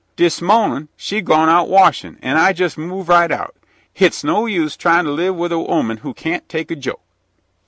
Dis mawnin' she gone out washin', an' I jes' move right out. Hit's no use tryin' to live with a 'ooman who cain't take a joke!'"